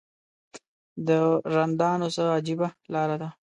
د رندانو څه عجیبه لاره ده.